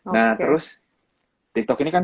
nah terus tiktok ini kan